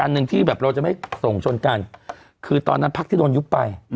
หนึ่งที่แบบเราจะไม่ส่งชนกันคือตอนนั้นพักที่โดนยุบไป